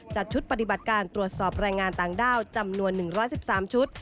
จัดชุดปฏิบัติการตรวจสอบแรงงานต่างด้าวจำนวน๑๑๓ชุด